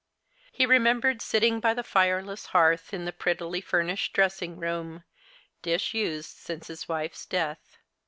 He remembered sitting by the tireless hearth, in the prettily furnished dressing room, disused since his wife's death.